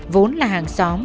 vốn là hàng xóm